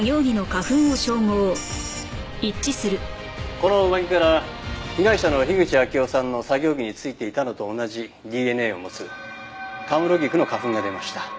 この上着から被害者の口秋生さんの作業着についていたのと同じＤＮＡを持つ神室菊の花粉が出ました。